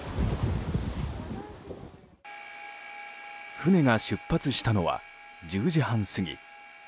船が出発したのは１０時半過ぎ。